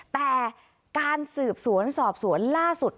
แต่การสืบสวนสอบสวนล่าสุด